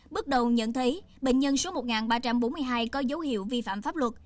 bước đầu nhận thấy bệnh nhân số một ba trăm bốn mươi hai có dấu hiệu vi phạm pháp luật